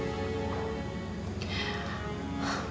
tidak si rohani